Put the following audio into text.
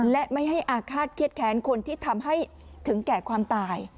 และไม่ให้อาฆาตเครียดแค้นคนที่ทำให้ถึงแก่ความตาย